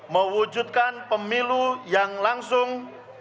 mewujudkan pemilu yang langsung